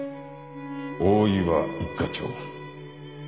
大岩一課長。